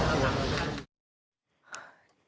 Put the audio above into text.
มีรายงานต่อหรอครับพรุ่งนี้เดี๋ยวบอกให้คุณ